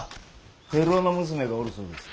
テルヲの娘がおるそうです。